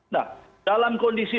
nah dalam kondisi